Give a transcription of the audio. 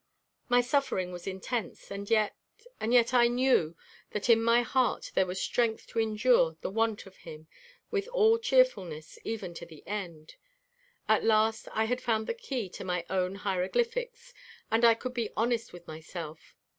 My suffering was intense, and yet, and yet I knew that in my heart there was strength to endure the want of him with all cheerfulness even to the end. At last I had found the key to my own hieroglyphics and I could be honest with myself.